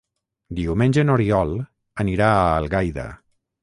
Diumenge n'Oriol irà a Algaida.